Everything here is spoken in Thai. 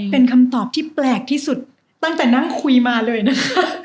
เป็นคำตอบที่แปลกที่สุดตั้งแต่นั่งคุยมาเลยนะคะ